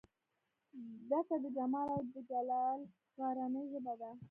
ډکه د جمال او دجلال غرنۍ ژبه ده